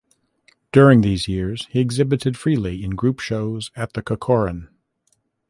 During these years he exhibited freely in group shows at the Corcoran.